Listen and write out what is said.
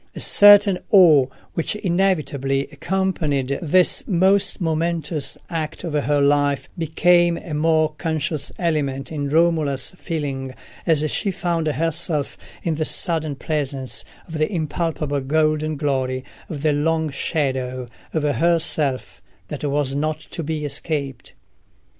A certain awe which inevitably accompanied this most momentous act of her life became a more conscious element in Romola's feeling as she found herself in the sudden presence of the impalpable golden glory and the long shadow of herself that was not to be escaped.